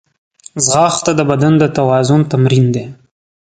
ځغاسته د بدن د توازن تمرین دی